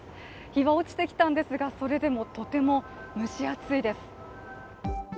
日は落ちてきたんですが、それでもとても蒸し暑いです。